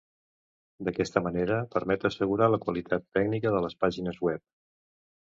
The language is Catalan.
D'aquesta manera permet assegurar la qualitat tècnica de les pàgines web.